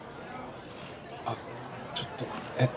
あのちょっとえっ？